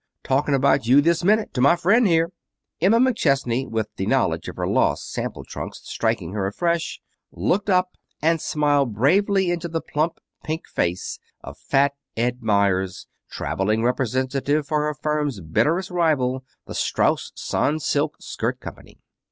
Talking about you this minute to my friend here." Emma McChesney, with the knowledge of her lost sample trunks striking her afresh, looked up and smiled bravely into the plump pink face of Fat Ed Meyers, traveling representative for her firm's bitterest rival, the Strauss Sans silk Skirt Company.